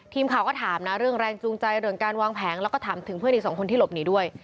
ทีมข่าวก็ถามนะเรื่องแรงจูงใจเรื่องการวางแผงแล้วก็ถามถึงเพื่อนอีกสองคนที่หลบหนีด้วย